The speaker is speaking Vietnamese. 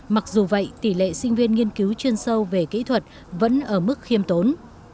mặc dù vậy tỷ lệ sinh viên nghiên cứu chuyên sâu về kỹ thuật vẫn ở mức khiêm tốn